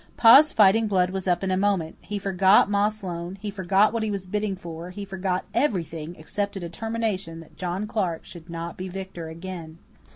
Pa's fighting blood was up in a moment; he forgot Ma Sloane; he forgot what he was bidding for; he forgot everything except a determination that John Clarke should not be victor again.